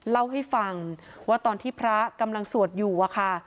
เล่าให้ฟังว่าตอนที่พระกำลังสวดอยู่อะค่ะ